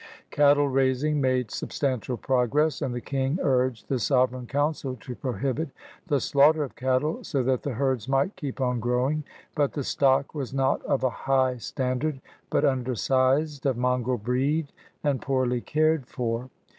Cattle raising made substantial progress, and the King urged the Sovereign Coimcil to prohibit the slaughter of cattle so that the herds might keep on growing; but the stock was not of a high 184 CRUSADERS OF NEW FRANCE standard, but undersized, of mongrel breed, and poorly cared for.